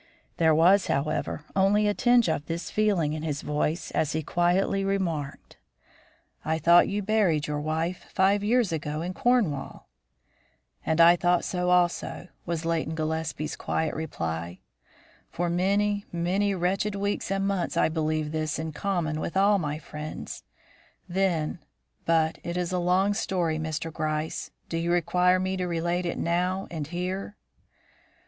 There was, however, only a tinge of this feeling in his voice as he quietly remarked: "I thought you buried your wife five years ago in Cornwall." "And I thought so also," was Leighton Gillespie's quiet reply. "For many, many wretched weeks and months I believed this in common with all my friends. Then but it is a long story, Mr. Gryce. Do you require me to relate it now and here?"